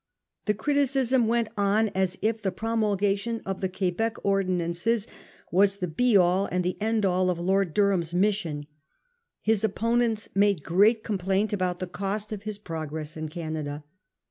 The criticism went on as if the promulgation of the Quebec ordinances was the be all and the end all of Lord Durham's mission. His opponents made great complaint about the cost of his progress in Canada.